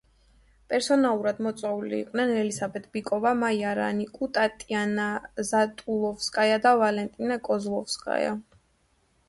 პერსონალურად მოწვეული იყვნენ ელისაბედ ბიკოვა, მაია რანიკუ, ტატიანა ზატულოვსკაია და ვალენტინა კოზლოვსკაია.